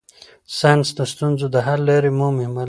ساینس د ستونزو د حل لارې مومي.